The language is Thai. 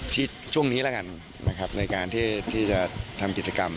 ช่วงนี้แล้วกันนะครับในการที่จะทำกิจกรรม